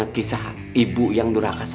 menantu durhaka kok